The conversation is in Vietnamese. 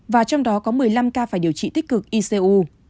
và trong đó có một mươi năm ca phải điều trị tích cực icu